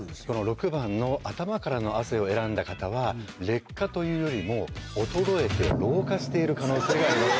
６番の頭からの汗を選んだ方は劣化というよりも衰えて老化している可能性があります。